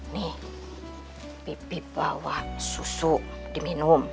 nih bibi bawa susu diminum